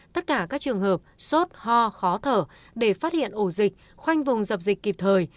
tất cả các trường hợp sốt ho khó thở để phát hiện ổ dịch khoanh vùng dập dịch kịp thời